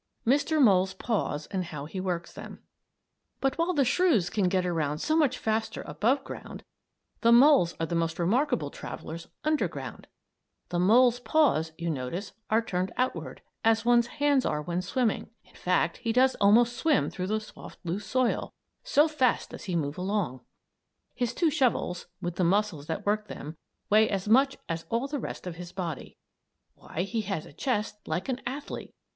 MR. MOLE'S PAWS AND HOW HE WORKS THEM But while the shrews can get around so much faster above ground the moles are the most remarkable travellers under ground. The mole's paws, you notice, are turned outward, as one's hands are when swimming. In fact he does almost swim through the soft, loose soil so fast does he move along! His two shovels, with the muscles that work them, weigh as much as all the rest of his body. Why, he has a chest like an athlete!